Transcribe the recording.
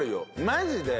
マジで。